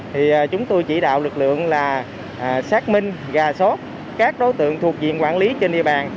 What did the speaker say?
thì chúng tôi chỉ đạo lực lượng là xác minh gà sót các đối tượng thuộc diện quản lý trên địa bàn